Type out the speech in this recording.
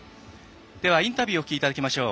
インタビューをお聞きいただきましょう。